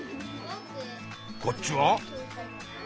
こっちは？